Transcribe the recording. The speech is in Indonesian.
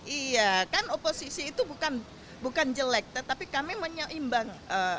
iya kan oposisi itu bukan jelek tetapi kami menyeimbang